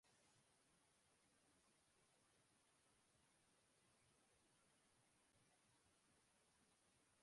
Hijo de un banquero alemán, "Joseph Reinach" nació en París.